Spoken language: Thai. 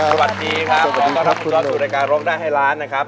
สวัสดีครับขอต้อนรับคุณจอร์ตสู่รายการรกด้านไฮล้านนะครับ